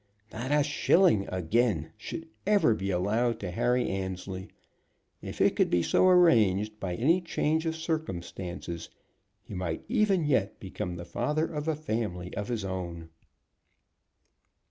Not a shilling, again, should ever be allowed to Harry Annesley. If it could be so arranged, by any change of circumstances, he might even yet become the father of a family of his own.